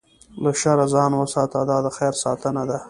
له شره ځان وساته، دا د خیر ساتنه ده.